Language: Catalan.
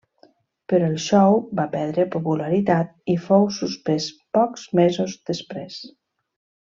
Però el show va perdre popularitat i fou suspès pocs mesos després.